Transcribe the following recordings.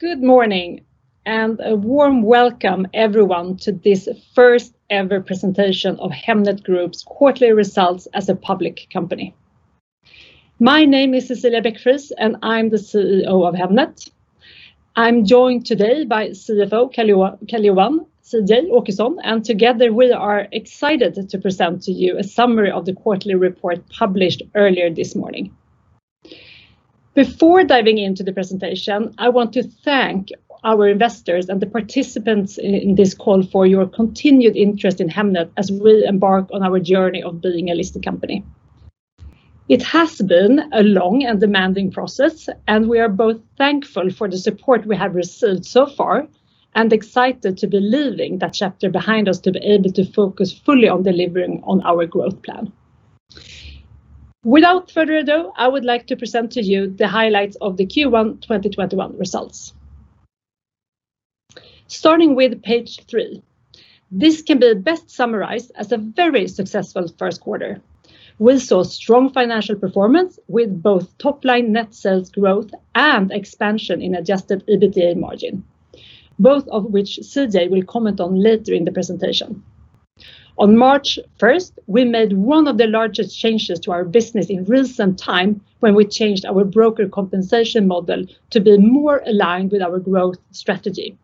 Good morning and a warm welcome, everyone, to this first ever presentation of Hemnet Group's quarterly results as a public company. My name is Cecilia Beck-Friis, and I'm the CEO of Hemnet. I'm joined today by CFO Carl Johan "CJ" Åkesson, and together we are excited to present to you a summary of the quarterly report published earlier this morning. Before diving into the presentation, I want to thank our investors and the participants in this call for your continued interest in Hemnet as we embark on our journey of being a listed company. It has been a long and demanding process, and we are both thankful for the support we have received so far and excited to be leaving that chapter behind us to be able to focus fully on delivering on our growth plan. Without further ado, I would like to present to you the highlights of the Q1 2021 results. Starting with page three. This can be best summarized as a very successful first quarter. We saw strong financial performance with both top line net sales growth and expansion in adjusted EBITDA margin, both of which CJ will comment on later in the presentation. On March 1st, we made one of the largest changes to our business in recent time when we changed our broker compensation model to be more aligned with our growth strategy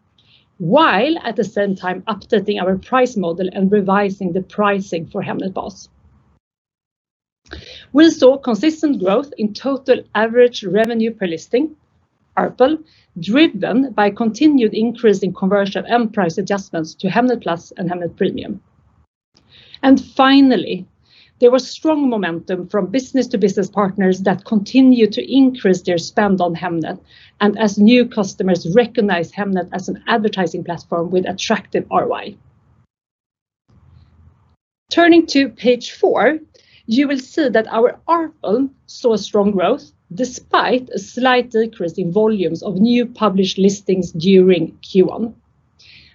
while at the same time updating our price model and revising the pricing for Hemnet Bas. We saw consistent growth in total average revenue per listing, ARPL, driven by continued increase in conversion and price adjustments to Hemnet Plus and Hemnet Premium. Finally, there was strong momentum from business-to-business partners that continue to increase their spend on Hemnet, and as new customers recognize Hemnet as an advertising platform with attractive ROI. Turning to page four, you will see that our ARPL saw strong growth despite a slight decrease in volumes of new published listings during Q1.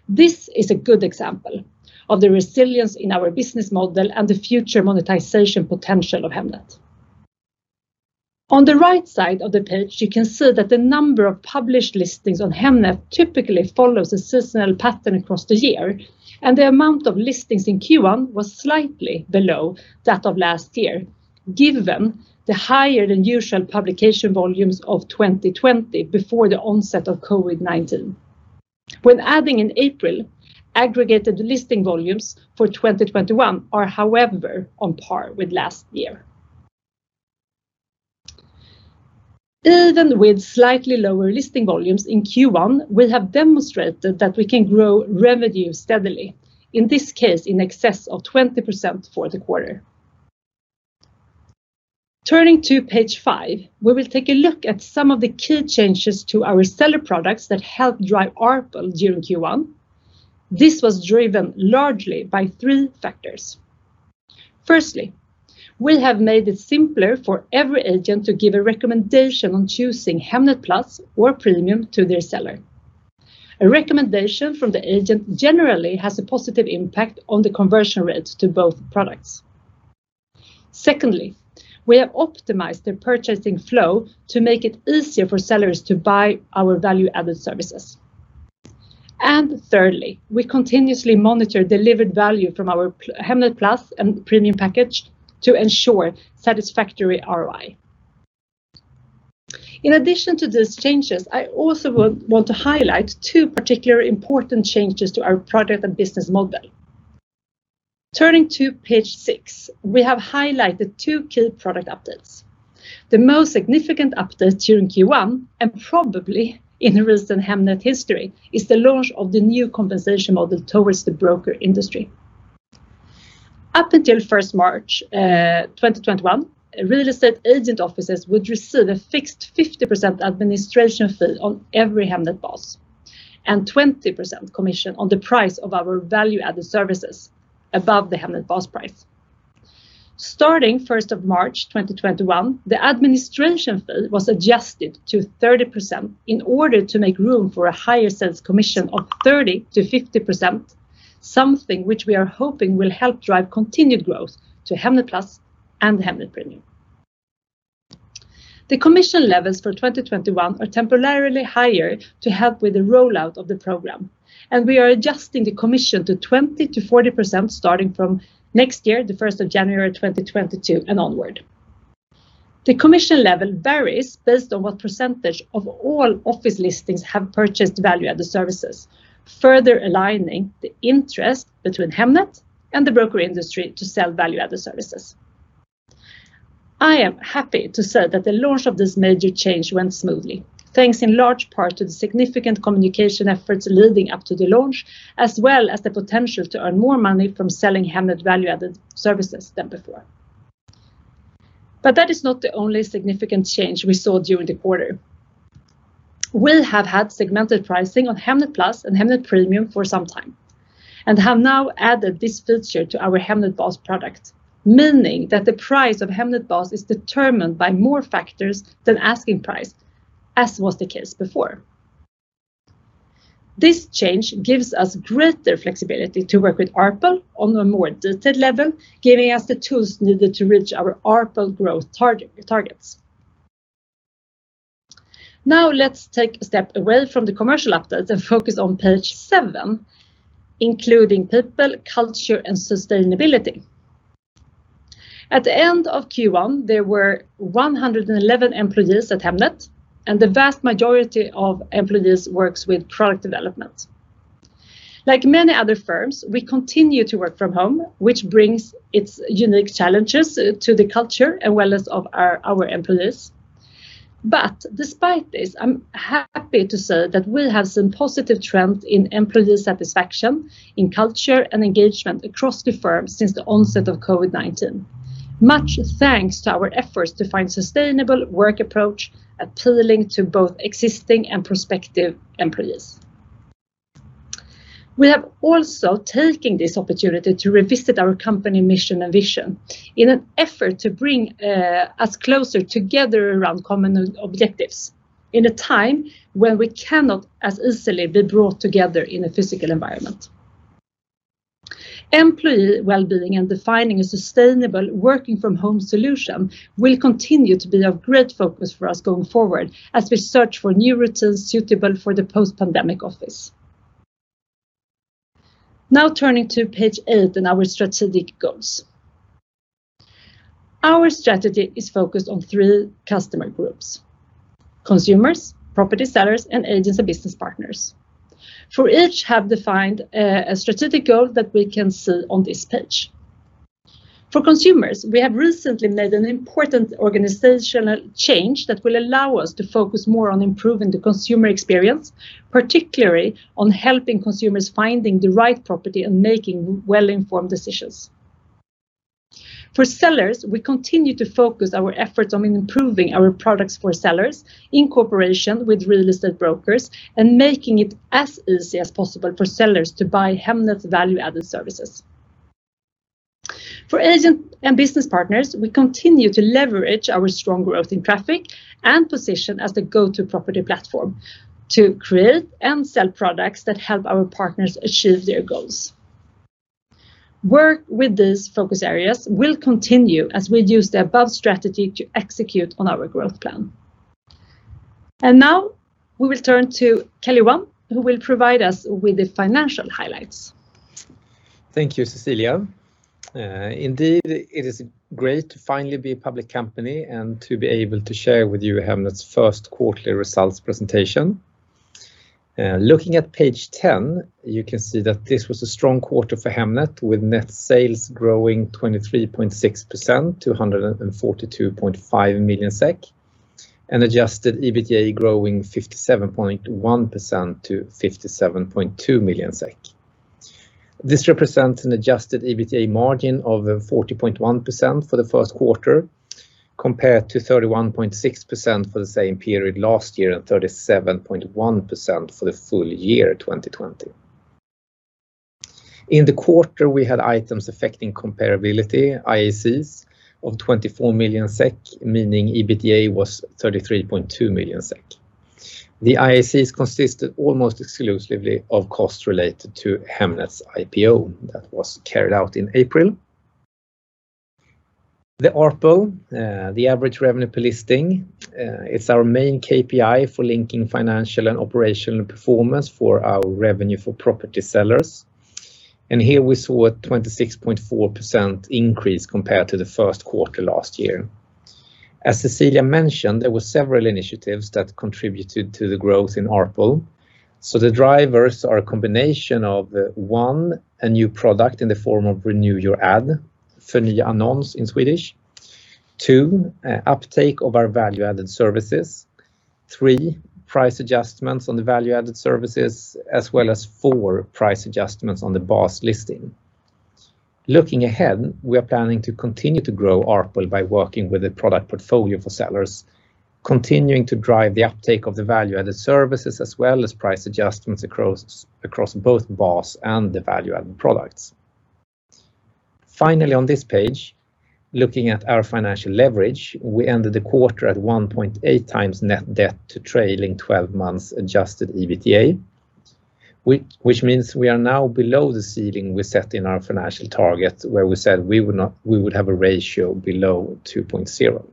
This is a good example of the resilience in our business model and the future monetization potential of Hemnet. On the right side of the page, you can see that the number of published listings on Hemnet typically follows a seasonal pattern across the year, and the amount of listings in Q1 was slightly below that of last year given the higher than usual publication volumes of 2020 before the onset of COVID-19. When adding in April, aggregated listing volumes for 2021 are, however, on par with last year. Even with slightly lower listing volumes in Q1, we have demonstrated that we can grow revenue steadily, in this case, in excess of 20% for the quarter. Turning to page five, we will take a look at some of the key changes to our seller products that help drive ARPL during Q1. This was driven largely by three factors. Firstly, we have made it simpler for every agent to give a recommendation on choosing Hemnet Plus or Premium to their seller. A recommendation from the agent generally has a positive impact on the conversion rates to both products. Secondly, we have optimized the purchasing flow to make it easier for sellers to buy our value-added services. Thirdly, we continuously monitor delivered value from our Hemnet Plus and Premium package to ensure satisfactory ROI. In addition to these changes, I also want to highlight two particular important changes to our product and business model. Turning to page six, we have highlighted two key product updates. The most significant update during Q1, and probably in the recent Hemnet history, is the launch of the new compensation model towards the broker industry. Up until March 1 2021, real estate agent offices would receive a fixed 50% administration fee on every Hemnet Bas and 20% commission on the price of our value-added services above the Hemnet Bas price. Starting 1st of March 2021, the administration fee was adjusted to 30% in order to make room for a higher sales commission of 30%-50%, something which we are hoping will help drive continued growth to Hemnet Plus and Hemnet Premium. The commission levels for 2021 are temporarily higher to help with the rollout of the program, and we are adjusting the commission to 20%-40% starting from next year, the 1st of January 2022 and onward. The commission level varies based on what percentage of all office listings have purchased value-added services, further aligning the interest between Hemnet and the broker industry to sell value-added services. I am happy to say that the launch of this major change went smoothly, thanks in large part to the significant communication efforts leading up to the launch, as well as the potential to earn more money from selling Hemnet value-added services than before. That is not the only significant change we saw during the quarter. We have had segmented pricing on Hemnet Plus and Hemnet Premium for some time and have now added this feature to our Hemnet Bas product, meaning that the price of Hemnet Bas is determined by more factors than asking price, as was the case before. This change gives us greater flexibility to work with ARPL on a more detailed level, giving us the tools needed to reach our ARPL growth targets. Let's take a step away from the commercial update and focus on page seven, including people, culture, and sustainability. At the end of Q1, there were 111 employees at Hemnet, the vast majority of employees works with product development. Like many other firms, we continue to work from home, which brings its unique challenges to the culture and wellness of our employees. Despite this, I'm happy to say that we have some positive trend in employee satisfaction in culture and engagement across the firm since the onset of COVID-19. Much thanks to our efforts to find sustainable work approach appealing to both existing and prospective employees. We have also taken this opportunity to revisit our company mission and vision in an effort to bring us closer together around common objectives in a time when we cannot as easily be brought together in a physical environment. Employee wellbeing and defining a sustainable working from home solution will continue to be of great focus for us going forward as we search for new routines suitable for the post-pandemic office. Turning to page eight and our strategic goals. Our strategy is focused on three customer groups: consumers, property sellers, and agents and business partners. For each, have defined a strategic goal that we can see on this page. For consumers, we have recently made an important organizational change that will allow us to focus more on improving the consumer experience, particularly on helping consumers finding the right property and making well-informed decisions. For sellers, we continue to focus our efforts on improving our products for sellers in cooperation with real estate brokers and making it as easy as possible for sellers to buy Hemnet's value-added services. For agent and business partners, we continue to leverage our strong growth in traffic and position as the go-to property platform to create and sell products that help our partners achieve their goals. Work with these focus areas will continue as we use the above strategy to execute on our growth plan. Now we will turn to Carl Johan, who will provide us with the financial highlights. Thank you, Cecilia. Indeed, it is great to finally be a public company and to be able to share with you Hemnet's first quarterly results presentation. Looking at page 10, you can see that this was a strong quarter for Hemnet with net sales growing 23.6% to 142.5 million SEK, and adjusted EBITDA growing 57.1% to 57.2 million SEK. This represents an adjusted EBITDA margin of 40.1% for the first quarter, compared to 31.6% for the same period last year and 37.1% for the full year 2020. In the quarter, we had items affecting comparability, IACs, of 24 million SEK, meaning EBITDA was 33.2 million SEK. The IACs consisted almost exclusively of costs related to Hemnet's IPO that was carried out in April. The ARPL, the average revenue per listing, it's our main KPI for linking financial and operational performance for our revenue for property sellers. Here we saw a 26.4% increase compared to the first quarter last year. As Cecilia mentioned, there were several initiatives that contributed to the growth in ARPL. The drivers are a combination of, one, a new product in the form of Renew Your Ad, Förnya annons in Swedish. Two, uptake of our value-added services. Three, price adjustments on the value-added services, as well as, four, price adjustments on the base listing. Looking ahead, we are planning to continue to grow ARPL by working with a product portfolio for sellers, continuing to drive the uptake of the value-added services, as well as price adjustments across both base and the value-added products. Finally, on this page, looking at our financial leverage, we ended the quarter at 1.8x net debt to trailing 12 months adjusted EBITDA, which means we are now below the ceiling we set in our financial target where we said we would have a ratio below 2.0.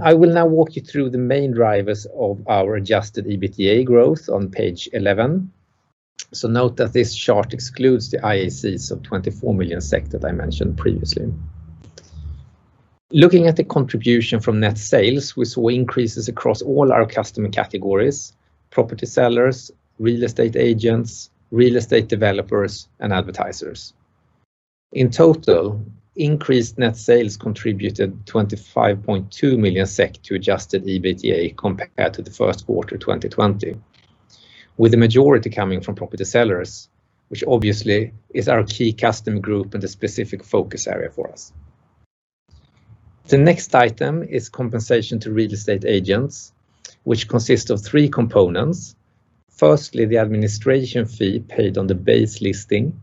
I will now walk you through the main drivers of our adjusted EBITDA growth on page 11. Note that this chart excludes the IACs of 24 million SEK that I mentioned previously. Looking at the contribution from net sales, we saw increases across all our customer categories: property sellers, real estate agents, real estate developers, and advertisers. In total, increased net sales contributed 25.2 million SEK to adjusted EBITDA compared to the first quarter 2020, with the majority coming from property sellers, which obviously is our key customer group and a specific focus area for us. The next item is compensation to real estate agents, which consists of three components. Firstly, the administration fee paid on the base listing.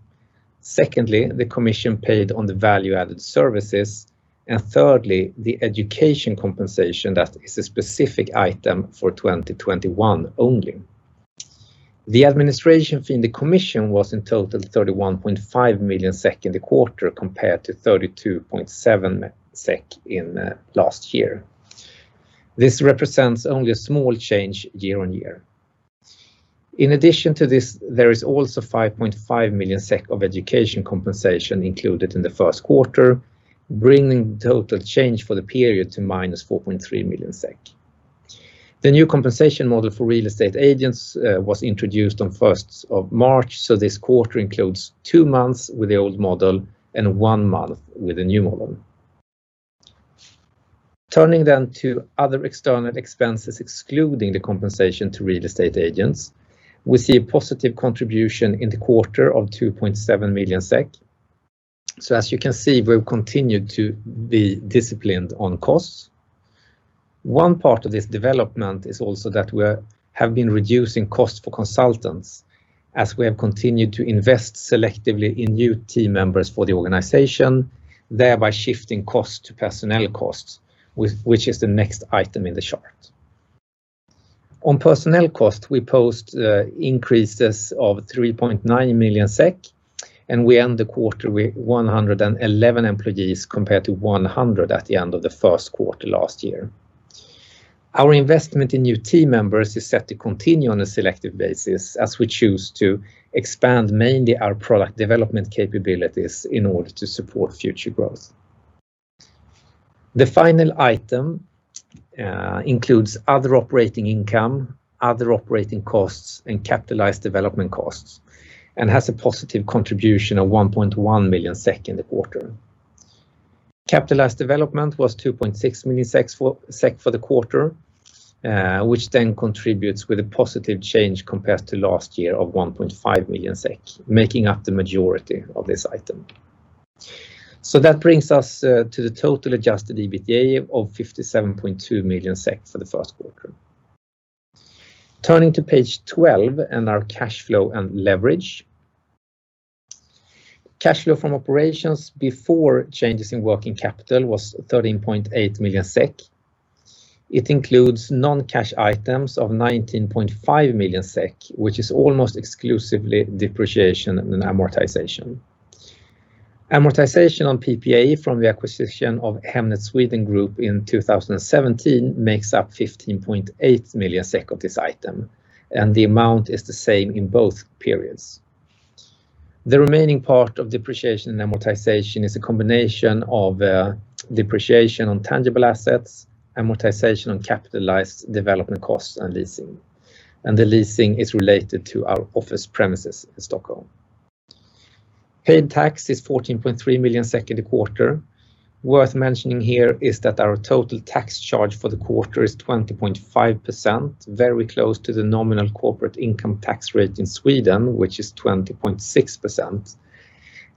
Secondly, the commission paid on the value-added services. Thirdly, the education compensation that is a specific item for 2021 only. The administration fee in the commission was in total 31.5 million SEK in the quarter compared to 32.7 SEK in last year. This represents only a small change year-on-year. In addition to this, there is also 5.5 million SEK of education compensation included in the first quarter, bringing total change for the period to minus 4.3 million SEK. The new compensation model for real estate agents was introduced on 1st of March, so this quarter includes two months with the old model and one month with the new model. Turning to other external expenses, excluding the compensation to real estate agents, we see a positive contribution in the quarter of 2.7 million SEK. As you can see, we've continued to be disciplined on costs. One part of this development is also that we have been reducing costs for consultants as we have continued to invest selectively in new team members for the organization, thereby shifting costs to personnel costs, which is the next item in the chart. On personnel costs, we post increases of 3.9 million SEK, and we end the quarter with 111 employees compared to 100 at the end of the first quarter last year. Our investment in new team members is set to continue on a selective basis as we choose to expand mainly our product development capabilities in order to support future growth. The final item includes other operating income, other operating costs, and capitalized development costs and has a positive contribution of 1.1 million SEK in the quarter. Capitalized development was 2.6 million SEK for the quarter, which then contributes with a positive change compared to last year of 1.5 million SEK, making up the majority of this item. That brings us to the total adjusted EBITDA of 57.2 million for the first quarter. Turning to page 12 and our cash flow and leverage. Cash flow from operations before changes in working capital was 13.8 million SEK. It includes non-cash items of 19.5 million SEK, which is almost exclusively depreciation and amortization. Amortization on PPA from the acquisition of Hemnet Sverige Group in 2017 makes up 15.8 million of this item, and the amount is the same in both periods. The remaining part of depreciation and amortization is a combination of depreciation on tangible assets, amortization on capitalized development costs and leasing, and the leasing is related to our office premises in Stockholm. Paid tax is 14.3 million in the quarter. Worth mentioning here is that our total tax charge for the quarter is 20.5%, very close to the nominal corporate income tax rate in Sweden, which is 20.6%,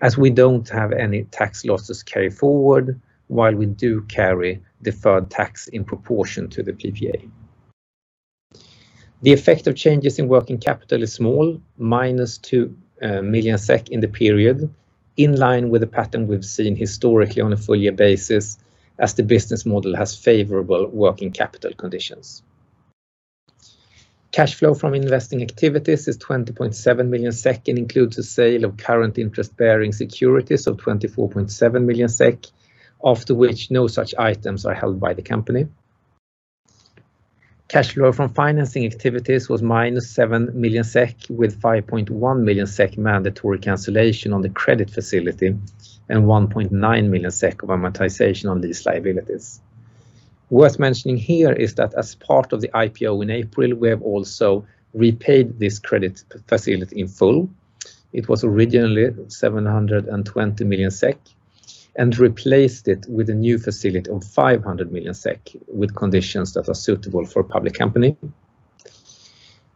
as we don't have any tax losses carry forward while we do carry deferred tax in proportion to the PPA. The effect of changes in working capital is small, -2 million SEK in the period, in line with the pattern we've seen historically on a full year basis as the business model has favorable working capital conditions. Cash flow from investing activities is 20.7 million SEK and includes a sale of current interest-bearing securities of 24.7 million SEK, after which no such items are held by the company. Cash flow from financing activities was -7 million SEK, with 5.1 million SEK mandatory cancellation on the credit facility and 1.9 million SEK of amortization on these liabilities. Worth mentioning here is that as part of the IPO in April, we have also repaid this credit facility in full. It was originally 720 million SEK, Replaced it with a new facility of 500 million SEK, with conditions that are suitable for a public company.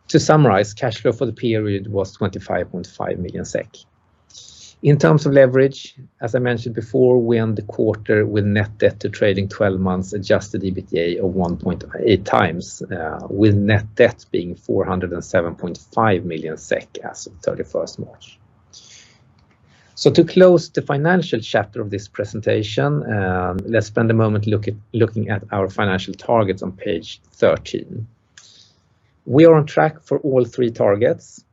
To summarize, cash flow for the period was 25.5 million SEK. In terms of leverage, as I mentioned before, we end the quarter with net debt to trailing 12 months adjusted EBITDA of 1.8x, with net debt being 407.5 million SEK as of 31st March. To close the financial chapter of this presentation, let's spend a moment looking at our financial targets on page 13. We are on track for all three targets.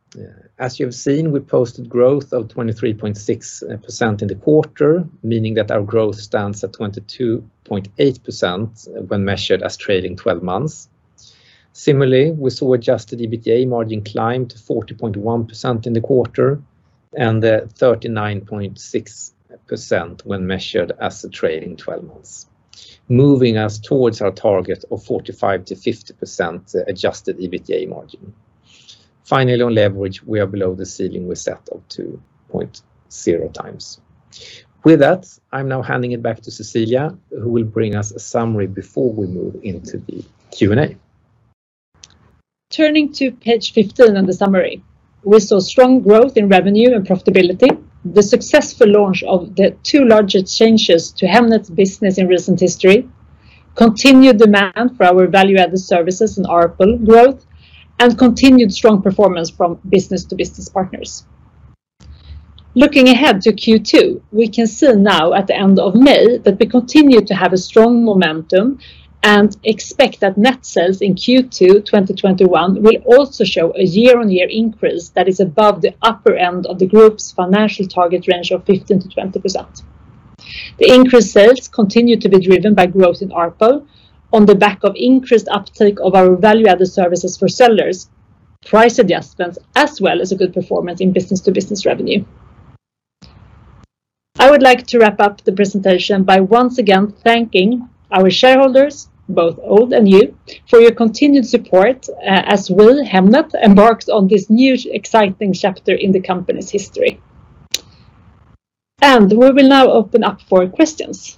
As you've seen, we posted growth of 23.6% in the quarter, meaning that our growth stands at 22.8% when measured as trailing 12 months. Similarly, we saw adjusted EBITDA margin climb to 40.1% in the quarter and at 39.6% when measured as a trailing 12 months, moving us towards our target of 45%-50% adjusted EBITDA margin. Finally, on leverage, we are below the ceiling we set of 2.0x. With that, I'm now handing it back to Cecilia, who will bring us a summary before we move into the Q&A. Turning to page 15 and the summary. We saw strong growth in revenue and profitability. The successful launch of the two largest changes to Hemnet's business in recent history. Continued demand for our value-added services and ARPL growth, and continued strong performance from business-to-business partners. Looking ahead to Q2, we can see now at the end of May that we continue to have a strong momentum and expect that net sales in Q2 2021 will also show a year-on-year increase that is above the upper end of the group's financial target range of 15%-20%. The increased sales continue to be driven by growth in ARPL on the back of increased uptake of our value-added services for sellers, price adjustments, as well as a good performance in business-to-business revenue. I would like to wrap up the presentation by once again thanking our shareholders, both old and new, for your continued support, as we, Hemnet, embarks on this new exciting chapter in the company's history. We will now open up for questions.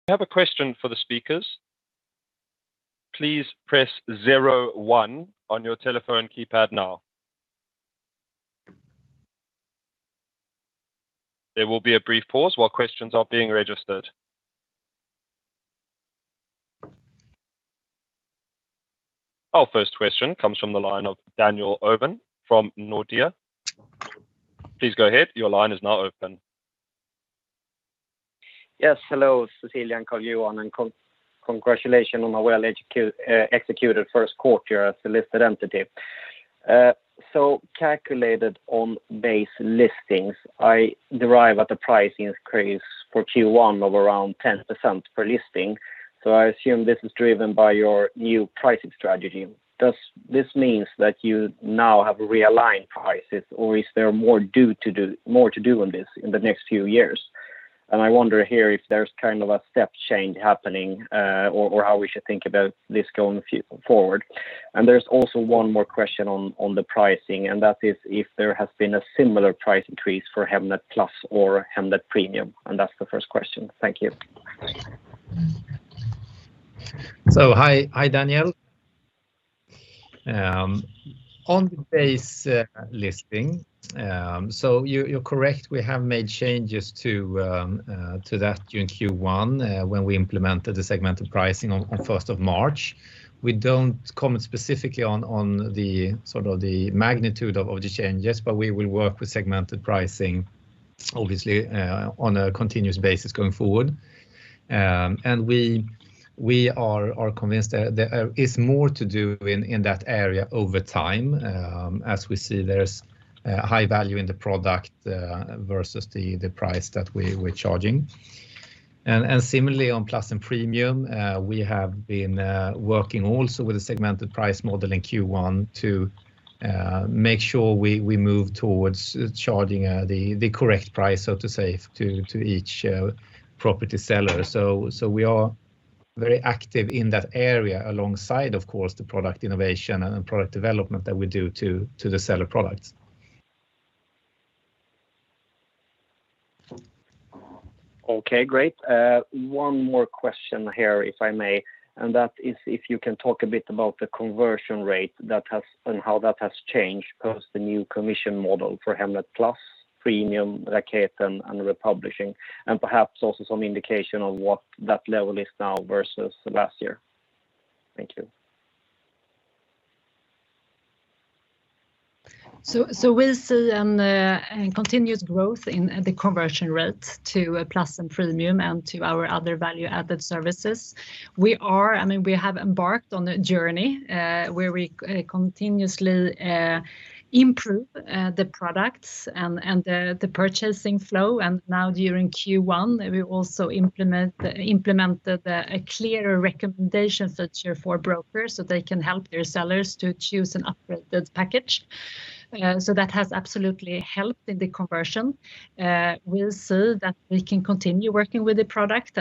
If you have a question for the speakers, please press zero one on your telephone keypad now. There will be a brief pause while questions are being registered. Our first question comes from the line of Daniel Ovin from Nordea. Please go ahead. Your line is now open. Yes. Hello, Cecilia and Carl Johan, and congratulations on a well-executed first quarter as a listed entity. Calculated on base listings, I derive at the price increase for Q1 of around 10% per listing, so I assume this is driven by your new pricing strategy. Does this means that you now have realigned prices, or is there more due to do more to do on this in the next few years? I wonder here if there's kind of a step change happening, or how we should think about this going forward. There's also one more question on the pricing, and that is if there has been a similar price increase for Hemnet Plus or Hemnet Premium. That's the first question. Thank you. Hi. Hi, Daniel. On the base listing, you're correct. We have made changes to that during Q1 when we implemented the segmented pricing on 1st of March. We don't comment specifically on the sort of the magnitude of the changes, but we will work with segmented pricing, obviously, on a continuous basis going forward. We are convinced that there is more to do in that area over time as we see there's high value in the product versus the price that we're charging. Similarly on Plus and Premium, we have been working also with a segmented price model in Q1 to make sure we move towards charging the correct price, so to say, to each property seller. We are very active in that area alongside, of course, the product innovation and product development that we do to the seller products. Okay. Great. One more question here, if I may, and that is if you can talk a bit about the conversion rate that has and how that has changed post the new commission model for Hemnet Plus, Premium, Raketen, and republishing, and perhaps also some indication of what that level is now versus last year. Thank you. We see a continuous growth in the conversion rate to Plus and Premium and to our other value-added services. I mean, we have embarked on a journey, where we continuously improve the products and the purchasing flow. Now during Q1, we also implemented a clearer recommendation feature for brokers so they can help their sellers to choose an upgraded package. That has absolutely helped in the conversion. We'll see that we can continue working with the product.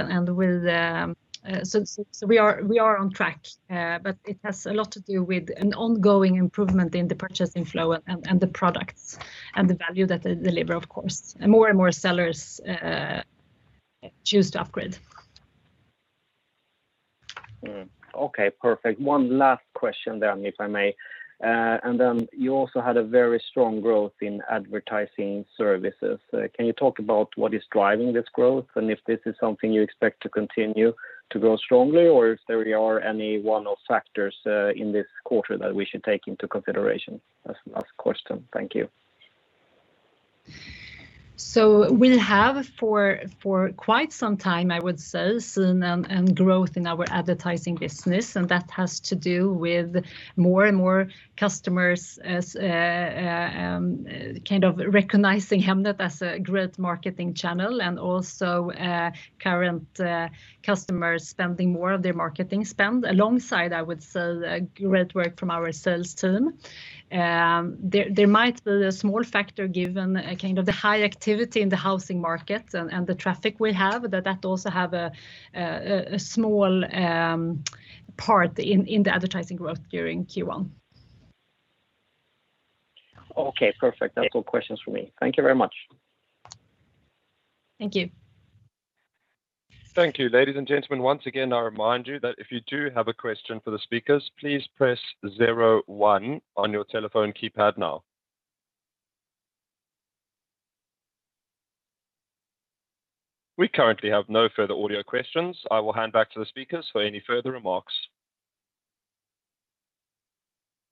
We are on track. It has a lot to do with an ongoing improvement in the purchasing flow and the products and the value that they deliver, of course. More and more sellers choose to upgrade. Okay. Perfect. One last question then, if I may, you also had a very strong growth in advertising services. Can you talk about what is driving this growth and if this is something you expect to continue to grow strongly or if there are any one-off factors in this quarter that we should take into consideration? That's the last question. Thank you. We have for quite some time, I would say, seen, growth in our advertising business and that has to do with more and more customers as, kind of recognizing Hemnet as a great marketing channel and also, current, customers spending more of their marketing spend alongside, I would say, great work from our sales team. There might be a small factor given, kind of the high activity in the housing market and the traffic we have that also have a small part in the advertising growth during Q1. Okay. Perfect. That's all questions from me. Thank you very much. Thank you. Thank you. Ladies and gentlemen, once again, I remind you that if you do have a question for the speakers, please press zero one on your telephone keypad now. We currently have no further audio questions. I will hand back to the speakers for any further remarks.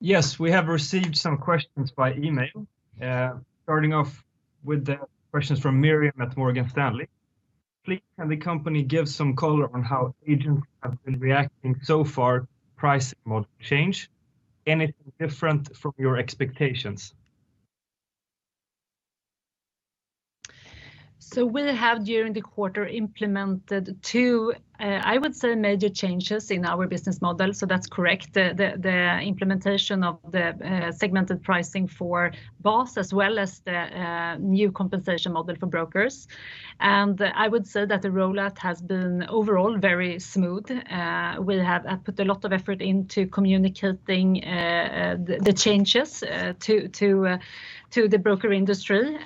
Yes, we have received some questions by email. Starting off with the questions from Miriam at Morgan Stanley, please, can the company give some color on how agents have been reacting so far pricing model change, anything different from your expectations? We have, during the quarter, implemented two, I would say, major changes in our business model, so that's correct. The implementation of the segmented pricing for both as well as the new compensation model for brokers. I would say that the rollout has been overall very smooth. We have put a lot of effort into communicating the changes to the broker industry.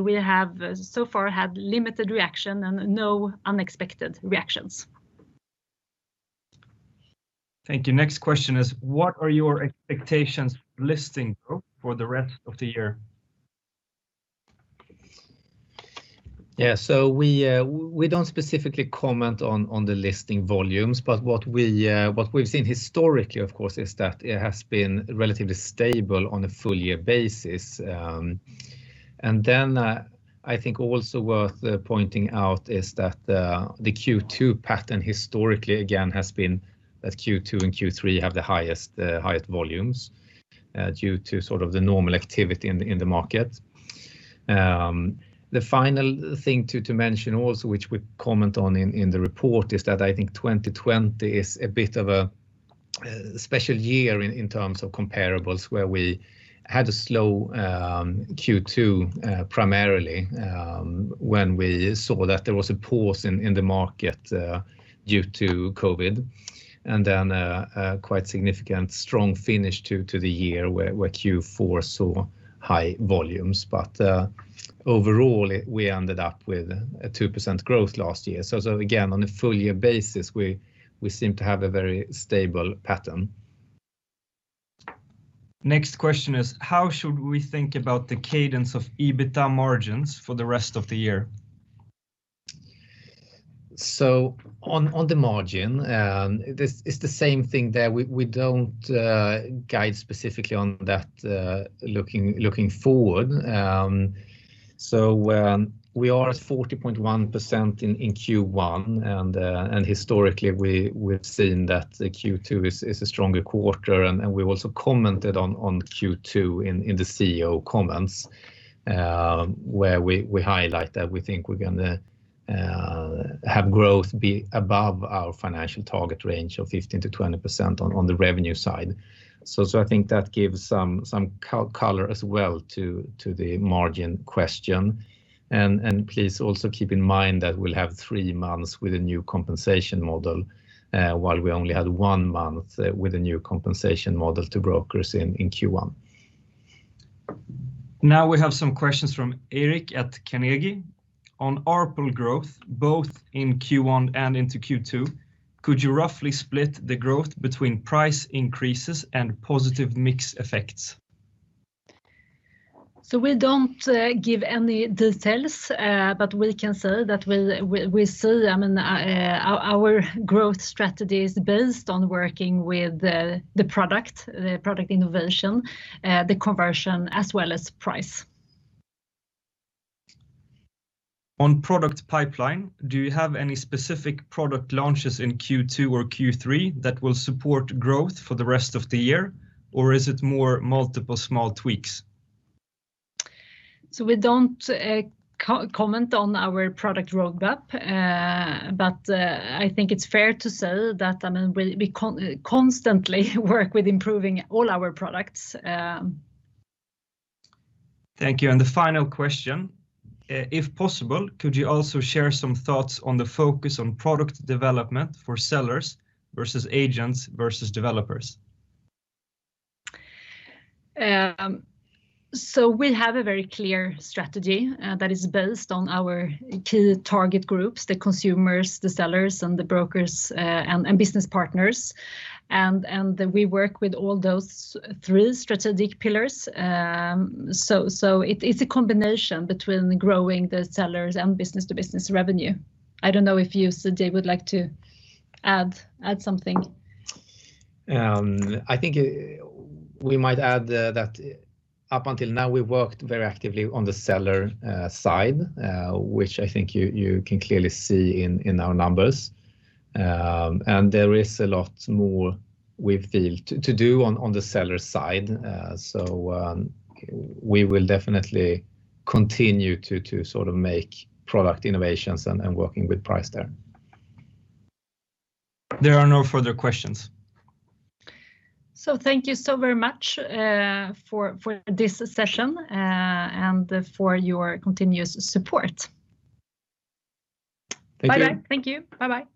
We have so far had limited reaction and no unexpected reactions. Thank you. Next question is, what are your expectations for listing growth for the rest of the year? We don't specifically comment on the listing volumes. What we've seen historically, of course, is that it has been relatively stable on a full year basis. I think also worth pointing out is that the Q2 pattern historically, again, has been that Q2 and Q3 have the highest volumes due to sort of the normal activity in the market. The final thing to mention also which we comment on in the report is that I think 2020 is a bit of a special year in terms of comparables, where we had a slow Q2 primarily when we saw that there was a pause in the market due to COVID. Then a quite significant strong finish to the year where Q4 saw high volumes. Overall, we ended up with a 2% growth last year. Again, on a full year basis, we seem to have a very stable pattern. Next question is, how should we think about the cadence of EBITDA margins for the rest of the year? On the margin, it's the same thing there. We don't guide specifically on that looking forward. We are at 40.1% in Q1, and historically we've seen that the Q2 is a stronger quarter. We've also commented on Q2 in the CEO comments, where we highlight that we think we're gonna have growth be above our financial target range of 15%-20% on the revenue side. I think that gives some color as well to the margin question. Please also keep in mind that we'll have three months with a new compensation model, while we only had one month with a new compensation model to brokers in Q1. Now we have some questions from Erik at Carnegie. On ARPL growth, both in Q1 and into Q2, could you roughly split the growth between price increases and positive mix effects? We don't give any details, but we can say that we see, I mean, our growth strategy is based on working with the product, the product innovation, the conversion, as well as price. On product pipeline, do you have any specific product launches in Q2 or Q3 that will support growth for the rest of the year, or is it more multiple small tweaks? We don't comment on our product roadmap. I think it's fair to say that, I mean, we constantly work with improving all our products. Thank you. The final question, if possible, could you also share some thoughts on the focus on product development for sellers versus agents versus developers? We have a very clear strategy that is based on our key target groups, the consumers, the sellers, and the brokers, and business partners. We work with all those three strategic pillars. It's a combination between growing the sellers and business to business revenue. I don't know if you, CJ, would like to add something. I think we might add that up until now, we've worked very actively on the seller side, which I think you can clearly see in our numbers. There is a lot more we feel to do on the seller side. We will definitely continue to sort of make product innovations and working with price there. There are no further questions. Thank you so very much for this session and for your continuous support. Thank you. Bye-bye. Thank you. Bye-bye.